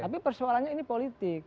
tapi persoalannya ini politik